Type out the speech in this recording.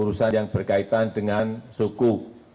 urusan yang berkaitan dengan suku